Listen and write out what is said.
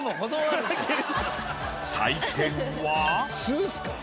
採点は？